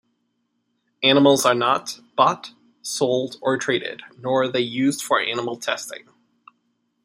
Animals are not bought, sold, or traded, nor are they used for animal testing.